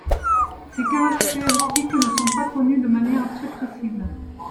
Ses caractéristiques ne sont pas connues de manière très précises.